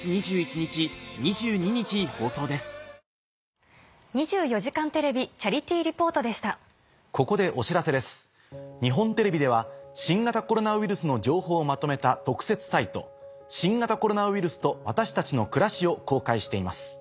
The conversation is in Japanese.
日本テレビでは新型コロナウイルスの情報をまとめた特設サイト。を公開しています。